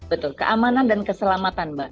betul keamanan dan keselamatan mbak